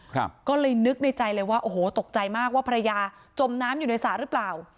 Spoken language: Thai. ก็เลยนึกในใจเลยว่าโอ้โหตกใจมากว่าภรรยาจมน้ำอยู่ในสระหรือเปล่า